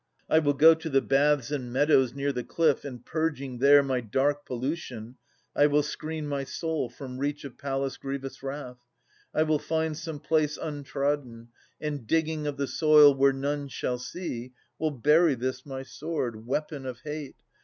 I will go to the baths And meadows near the cliff, and purging there My dark pollution, I will screen my soul From reach of Pallas' grievous wrath. I will find Some place untrodden, and digging of the soil Where none shall see, will bury this my sword, Weapon of hate